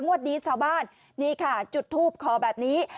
วันนี้ชาวบ้านนี่ค่ะจุดทูปขอแบบนี้